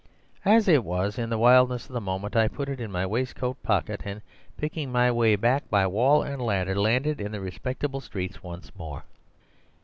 As it was, in the wildness of the moment, I put it in my waistcoat pocket, and, picking my way back by wall and ladder, landed in the respectable streets once more.